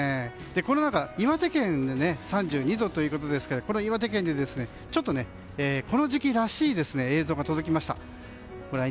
こんな中、岩手県で３２度ということですからこの岩手県でちょっとこの時期らしい映像が届きました。